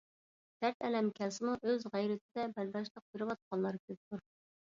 دەرت ئەلەم كەلسىمۇ ئۆز غەيرىتدە بەرداشلىق بىرۋاتقانلار كۆپتۇر